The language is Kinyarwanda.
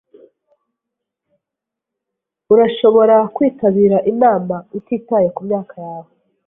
Urashobora kwitabira inama utitaye kumyaka yawe.